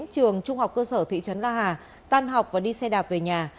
trường trung học cơ sở thị trấn la hà tan học và đi xe đạp về nhà